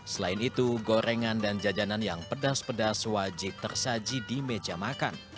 selain itu gorengan dan jajanan yang pedas pedas wajib tersaji di meja makan